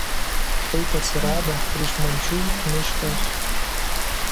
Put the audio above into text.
Taip atsirado Pryšmančių miškas.